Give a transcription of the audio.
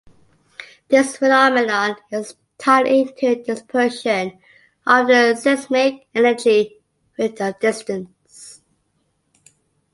This phenomenon is tied into the dispersion of the seismic energy with the distance.